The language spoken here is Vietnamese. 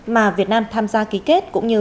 mà việt nam tham gia ký kết cũng như